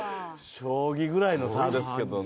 将棋ぐらいの差ですけどね。